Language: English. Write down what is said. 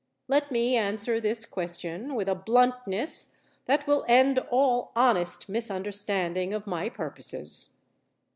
Let me answer this question with a bluntness that will end all honest misunderstanding of my purposes.